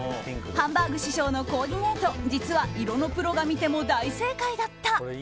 ハンバーグ師匠のコーディネート実は色のプロが見ても大正解だった！